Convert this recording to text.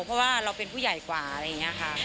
เพราะว่าเราเป็นผู้ใหญ่กว่าอะไรอย่างนี้ค่ะ